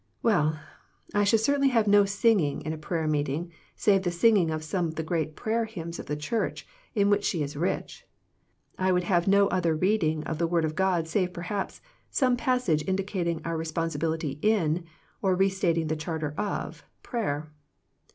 "Well, I should certainly have no singing in a prayer meeting, save the singing of some of the great prayer hymns of the Church, in which she is rich. I would have no other reading of the Word of God save perhaps some passage indicat ing our responsibility in or re stating the charter of prayer.